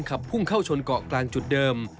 ขับพุ่งเข้าชนเกาะกลางจุดเดิม